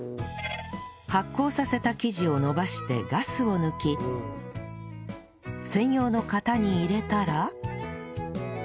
発酵させた生地を延ばしてガスを抜き専用の型に入れたら